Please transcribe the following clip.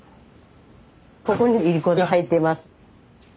ここにいりこが入ってます。